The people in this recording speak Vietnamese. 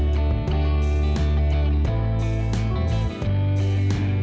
hẹn gặp lại